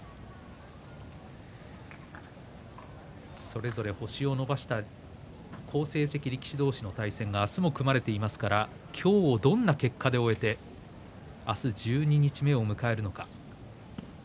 それぞれ星を伸ばした好成績力士同士の対戦が明日も組まれていますから今日どんな結果で終えて明日、十二日目を迎えるのか。